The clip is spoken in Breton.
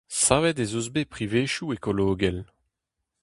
Savet ez eus bet privezioù ekologel.